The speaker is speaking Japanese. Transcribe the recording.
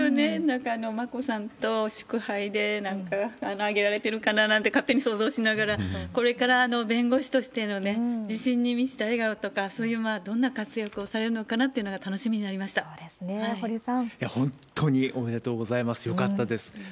なんか、眞子さんと祝杯で、なんか上げられてるかななんて、勝手に想像しながら、これから弁護士としての自信に満ちた笑顔とか、そういう、どんな活躍をされるのかなというのが楽しみになりましそうですね。